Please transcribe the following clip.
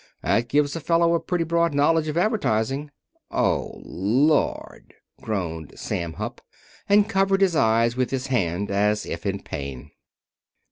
That gives a fellow a pretty broad knowledge of advertising." "Oh, Lord!" groaned Sam Hupp, and covered his eyes with his hand, as if in pain.